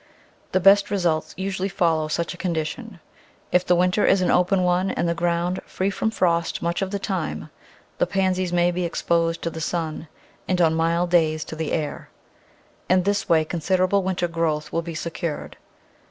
The best results usually follow such a condition. If the winter is an open one, and the ground free from frost much of the time, the Pansies may be exposed to the sun and, on mild days, to the air. In this way considerable winter growth will be secured.